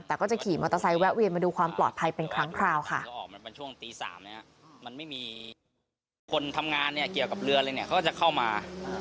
แต่ก็จะขี่มอเตอร์ไซค์แวะเวียนมาดูความปลอดภัยเป็นครั้งคราวค่ะ